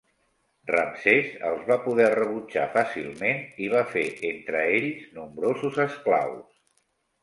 Ramsès els va poder rebutjar fàcilment i va fer entre ells nombrosos esclaus.